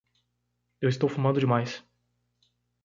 Eu estou fumando demais.